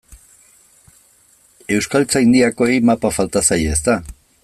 Euskaltzaindiakoei mapa falta zaie, ezta?